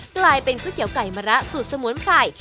กลายเป็นก๋วยเตี๋ยวไก่มะระสูตรสมุนไพร